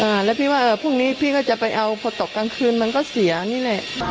อ่าแล้วพี่ว่าพรุ่งนี้พี่ก็จะไปเอาพอตกกลางคืนมันก็เสียนี่แหละ